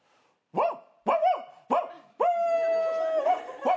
ワン！